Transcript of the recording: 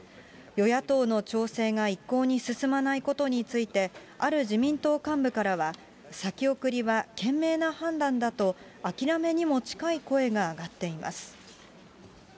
与野党の調整が一向に進まないことについて、ある自民党幹部からは、先送りは賢明な判断だと、諦めにも近い声が上がっています。